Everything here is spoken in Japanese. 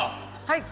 はい！